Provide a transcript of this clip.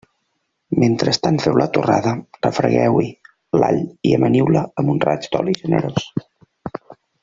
Mentrestant feu la torrada, refregueu-hi l'all i amaniu-la amb un raig d'oli generós.